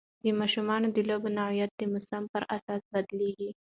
د ماشومانو د لوبو نوعیت د موسم پر اساس بدلېږي.